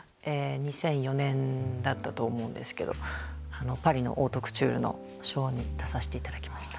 ２００４年だったと思うんですけどパリのオートクチュールのショーに出さして頂きました。